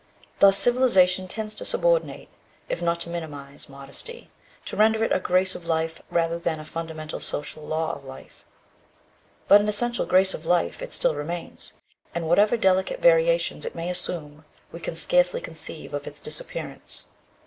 Thus civilization tends to subordinate, if not to minimize, modesty, to render it a grace of life rather than a fundamental social law of life. But an essential grace of life it still remains, and whatever delicate variations it may assume we can scarcely conceive of its disappearance.